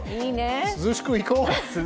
涼しくいこう。